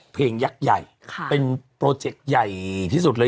ยักษ์ใหญ่เป็นโปรเจกต์ใหญ่ที่สุดเลย